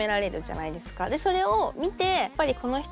それを見てやっぱり。